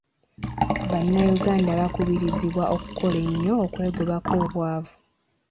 Abannayuganda bakubirizibwa okukola ennyo, okwegobako obwavu .